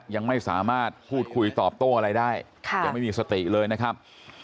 ยังไม่สามารถพูดคุยตอบโต้อะไรได้ยังไม่มีสติเลยนะครับ